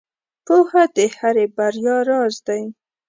• پوهه د هرې بریا راز دی.